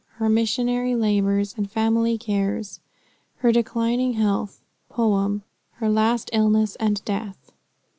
HER MISSIONARY LABORS, AND FAMILY CARES. HER DECLINING HEALTH. POEM. HER LAST ILLNESS AND DEATH.